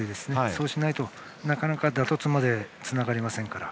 そうしないと、なかなか打突までつながりませんから。